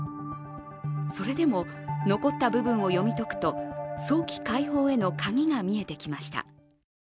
それでも、残った部分を読み解くと早期解放へのカギが見えてきました。